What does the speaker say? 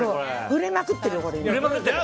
売れまくってるよ、これ。